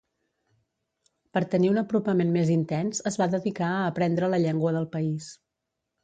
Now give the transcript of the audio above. Per tenir un apropament més intens es va dedicar a aprendre la llengua del país.